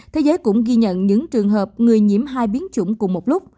thế giới cũng ghi nhận những trường hợp người nhiễm hai biến chủng cùng một lúc